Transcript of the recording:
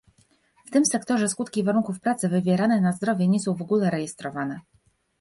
W tym sektorze skutki warunków pracy wywierane na zdrowie nie są w ogóle rejestrowane